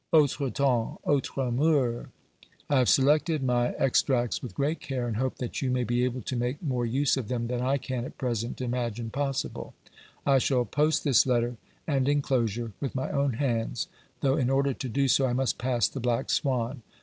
Autres temps, autres moeurs. I have selected my extracts with great care, and hope that you may be able to make more use of them than I can at present imagine possible. I shall post this letter and enclosure with my own hands, though in order to do so I must pass the Black Swan.